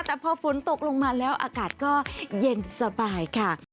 แต่พอฝนตกลงมาแล้วอากาศก็เย็นสบายค่ะ